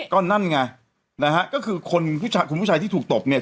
ก็นั่นไงนะฮะก็คือคนผู้ชายคุณผู้ชายที่ถูกตบเนี่ย